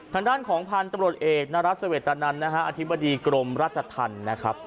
ทางด้านของพันธุ์ตำรวจเอกนรัฐเสวตนันนะฮะอธิบดีกรมราชธรรมนะครับ